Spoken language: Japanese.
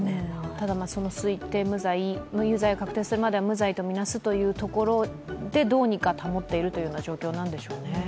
ただ、その推定無罪、有罪が確定するまでは無罪とみなすというところで、どうにか保っているという状況なんでしょうね。